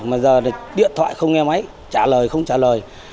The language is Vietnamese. mà giờ điện thoại không nghe máy trả lời không trả lời